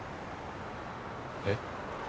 えっ？